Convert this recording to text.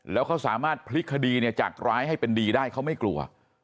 แล้วเขาสามารถพลิกคดีเนี่ยจากร้ายให้เป็นดีได้เขาไม่กลัว